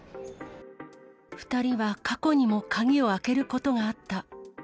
２人は過去にも鍵を開けることがあった。